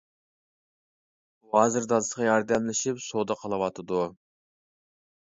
ئۇ ھازىر دادىسىغا ياردەملىشىپ سودا قىلىۋاتىدۇ.